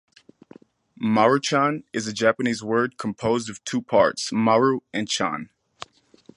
Maruchan is a Japanese word composed of two parts, maru and chan.